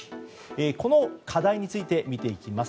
この課題について見ていきます。